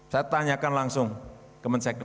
saya tanyakan langsung ke menseknek